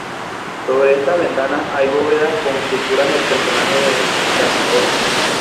Sobre estas ventanas hay bóvedas con esculturas de personajes en casetones.